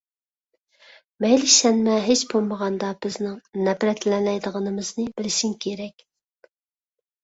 مەيلى ئىشەنمە، ھېچبولمىغاندا بىزنىڭ نەپرەتلىنەلەيدىغىنىمىزنى بىلىشىڭ كېرەك.